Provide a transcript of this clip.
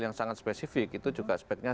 yang sangat spesifik itu juga aspeknya